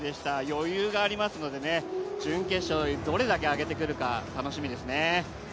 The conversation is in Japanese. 余裕がありますので準決勝でどれだけ上げてくるか楽しみですね。